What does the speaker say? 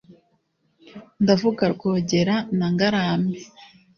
Ndavuga Rwogera na Ngarambe,